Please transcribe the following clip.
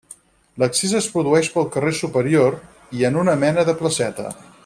L'accés es produeix pel carrer superior, i en una mena de placeta.